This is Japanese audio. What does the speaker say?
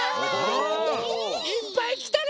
いっぱいきたね！